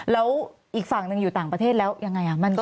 แล้วอีกฝั่งหนึ่งอยู่ต่างประเทศแล้วยังไง